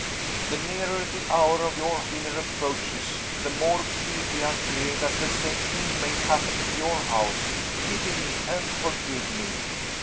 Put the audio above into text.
The nearer the hour of your dinner approaches, the more keenly I fear that the same thing may happen in your house. Pity me, and forgive me."